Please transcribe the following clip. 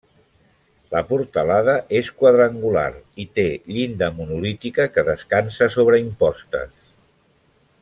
La portalada és quadrangular i té llinda monolítica que descansa sobre impostes.